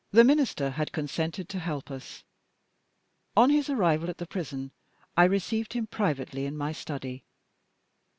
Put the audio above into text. The Minister had consented to help us. On his arrival at the prison, I received him privately in my study.